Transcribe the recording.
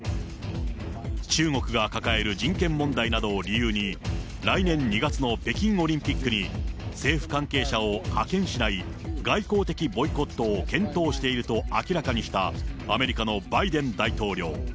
中国が抱える人権問題などを理由に、来年２月の北京オリンピックに、政府関係者を派遣しない、外交的ボイコットを検討していると明らかにしたアメリカのバイデン大統領。